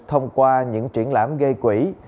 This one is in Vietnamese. thông qua những triển lãm gây quỷ